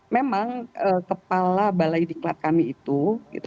memang kepala balai diklat kami itu